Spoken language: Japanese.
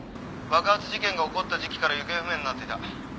爆発事件が起こった時期から行方不明になっていた。